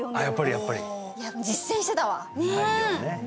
やっぱりやっぱり実践してたわね